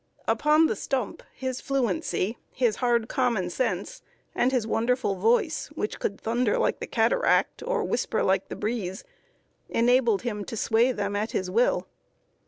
Upon the stump, his fluency, his hard common sense, and his wonderful voice, which could thunder like the cataract, or whisper with the breeze, enabled him to sway them at his will.